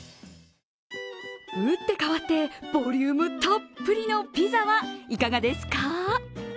打って変わって、ボリュームたっぷりのピザはいかがですか？